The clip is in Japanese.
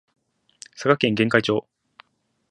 佐賀県玄海町